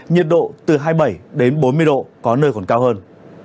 nhiệt độ từ hai mươi bảy đến bốn mươi độ có nơi còn cao hơn